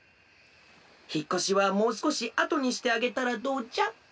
ひっこしはもうすこしあとにしてあげたらどうじゃ？